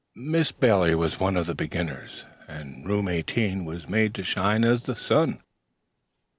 Miss Bailey was one of the beginners, and Room 18 was made to shine as the sun.